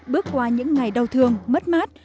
bước qua những ngày đau thương mất mát